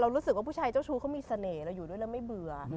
รู้สึกว่าปีร์ดดามเขามีเสน่ห์แล้วอยู่ด้วยเราไม่เบื่อ